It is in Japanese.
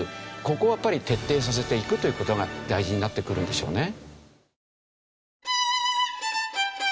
ここをやっぱり徹底させていくという事が大事になってくるんでしょうね。